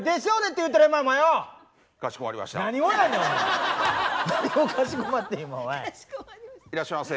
いらっしゃいませ。